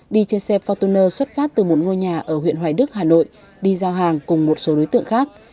đi trên xe fortuner xuất phát từ một ngôi nhà ở huyện hoài đức hà nội đi giao hàng cùng một số đối tượng khác